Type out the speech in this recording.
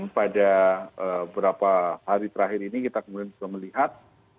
pada beberapa hari terakhir ini kita kemudian sudah melihat